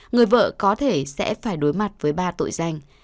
người vợ có thể sẽ phải đối mặt với ba tội danh